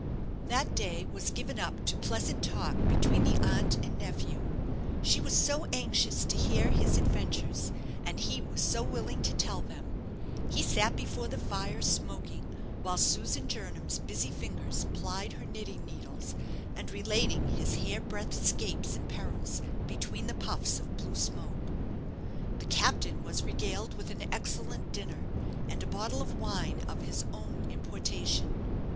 That day was given up to pleasant talk between the aunt and nephew. She was so anxious to hear his adventures, and he was so willing to tell them. He sat before the fire smoking, while Susan Jernam's busy fingers plied her knitting needles, and relating his hair breadth escapes and perils between the puffs of blue smoke. The captain was regaled with an excellent dinner, and a bottle of wine of his own importation.